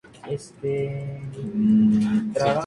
Consigue liberarse y esconderse, y roba un libro de mapas maestro.